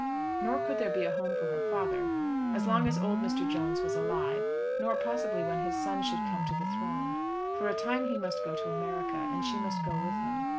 Nor could there be a home for her father there as long as old Mr. Jones was alive, nor possibly when his son should come to the throne. For a time he must go to America, and she must go with him.